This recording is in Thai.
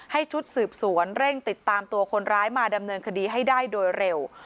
ชุดสืบสวนเร่งติดตามตัวคนร้ายมาดำเนินคดีให้ได้โดยเร็ว